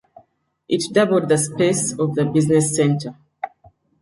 It doubled the space of the business center.